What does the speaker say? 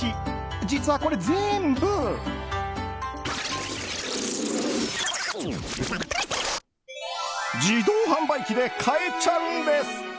実はこれ全部自動販売機で買えちゃうんです！